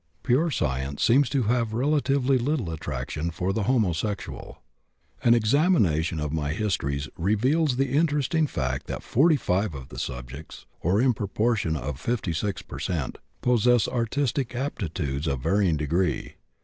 Pure science seems to have relatively little attraction for the homosexual. An examination of my Histories reveals the interesting fact that 45 of the subjects, or in the proportion of 56 per cent., possess artistic aptitudes of varying degree.